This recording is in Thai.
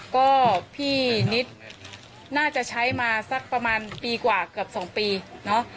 ก็พี่นิดน่าจะใช้มาสักประมาณปีกว่าเกือบ๒ปีเนาะ